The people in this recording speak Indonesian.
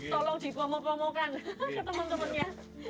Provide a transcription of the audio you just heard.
tolong dipomok pomokkan ke teman temannya